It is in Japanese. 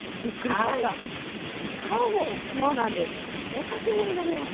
お刺身がのります。